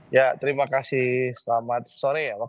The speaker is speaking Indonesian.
ya terima kasih selamat sore ya wak